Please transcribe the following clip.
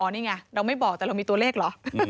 นี่ไงเราไม่บอกแต่เรามีตัวเลขเหรอ